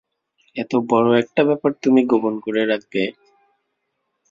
এত বড় একটা ব্যাপার তুমি গোপন করে রাখবে?